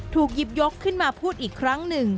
ถูกหยิบยกขึ้นมาพูดอีกครั้งหนึ่ง